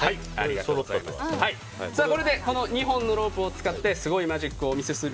これでこの２本のロープを使ってすごいマジックをお見せする。